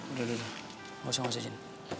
udah udah nggak usah nggak usah jin